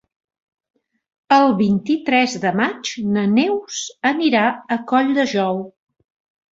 El vint-i-tres de maig na Neus anirà a Colldejou.